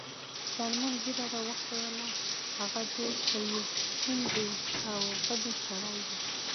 سلمان ږیره را وخروله، هغه ډېر تریو تندی او غلی سړی و.